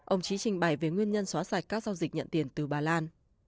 ông trí trình bày về nguyên nhân xóa sạch các giao dịch nhận tiền từ bà lan